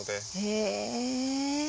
へぇ。